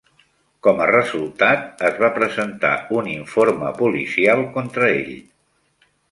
Com a resultat, es va presentar un informe policial contra ell.